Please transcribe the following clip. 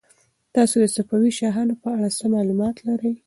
تاسو د صفوي شاهانو په اړه څه معلومات لرئ؟